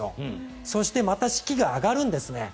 そしてまた士気が上がるんですね。